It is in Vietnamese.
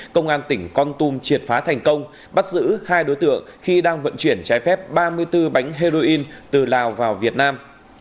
công an tỉnh con tum triệt phá thành công bắt giữ hai đối tượng khi đang vận chuyển trái phép ba mươi bốn bánh heroin từ lào vào việt nam